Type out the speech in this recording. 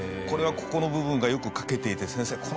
「これはここの部分がよく書けていて先生